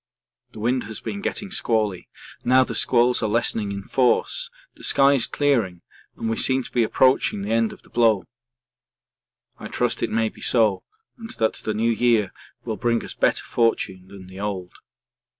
The wind has been getting squally: now the squalls are lessening in force, the sky is clearing and we seem to be approaching the end of the blow. I trust it may be so and that the New Year will bring us better fortune than the old.